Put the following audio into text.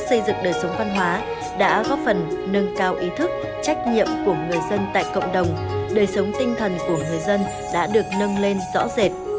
các thế chế văn hóa đã được nâng cao ý thức trách nhiệm của người dân tại cộng đồng đời sống tinh thần của người dân đã được nâng lên rõ rệt